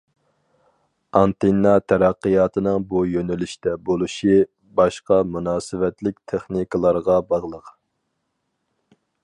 ئانتېننا تەرەققىياتىنىڭ بۇ يۆنىلىشتە بولۇشى باشقا مۇناسىۋەتلىك تېخنىكىلارغا باغلىق.